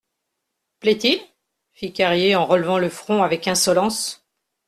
Plaît-il ? fit Carrier en relevant le front avec insolence.